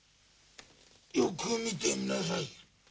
よく見てみなさい。